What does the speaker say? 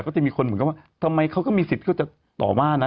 เครียดทำไมอย่าให้ถ่าเลาะกัน